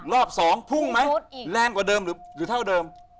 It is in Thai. รอบ๒พุ่งไหมแรงกว่าเดิมหรือเท่าเดิม